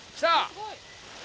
すごい。